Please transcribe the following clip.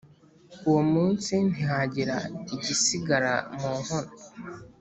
Uwo munsi ntihagira igisigara mu nkono.